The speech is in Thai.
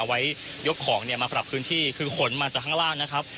ไว้ยกของเนี่ยมาปรับพื้นที่คือขนมาจากข้างล่างนะครับ